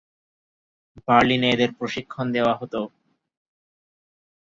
বার্লিনে এদের প্রশিক্ষণ দেওয়া হতো।